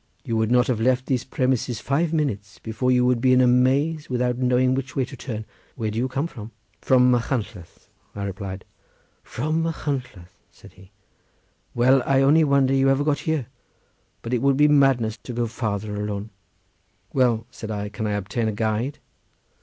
You would not have left these premises five minutes before you would be in a maze, without knowing which way to turn. Where do you come from?" "From Machynlleth," I replied. "From Machynlleth!" said he. "Well, I only wonder you ever got here, but it would be madness to go further alone." "Well," said I, "can I obtain a guide?"